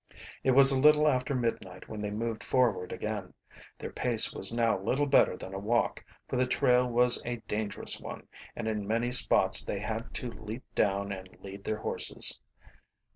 It was a little after midnight when they moved forward again. Their pace was now little better than a walk, for the trail was a dangerous one, and in many spots they had to leap down and lead their horses.